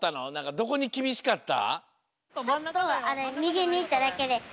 どこにきびしかった？